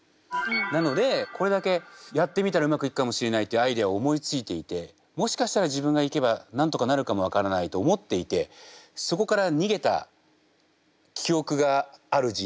なのでこれだけやってみたらうまくいくかもしれないというアイデアを思いついていてもしかしたら自分が行けばなんとかなるかも分からないと思っていてそこから逃げた記憶がある人生。